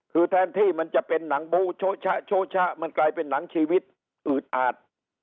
คือแทนที่มันจะเป็นหนังบูโชะชะมันกลายเป็นหนังชีวิตอืดอาด